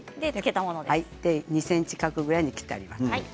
２ｃｍ角に切ってあります。